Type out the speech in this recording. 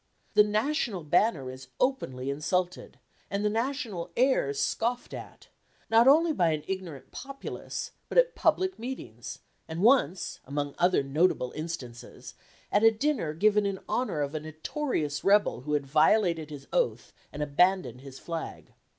The national banner is openly insulted, and the national airs scoffed at, not only by an ignorant populace, but at public meetings, and once, among other notable instances, at a dinner given in honour of a notorious rebel who had violated his oath and abandoned his flag.